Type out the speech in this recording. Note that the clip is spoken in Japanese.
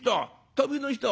旅の人。